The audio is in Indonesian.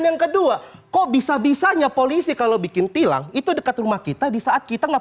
yang kedua kok bisa bisanya polisi kalau bikin tilang itu dekat rumah kita di saat kita nggak